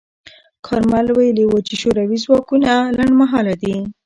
کارمل ویلي و چې شوروي ځواکونه لنډمهاله دي.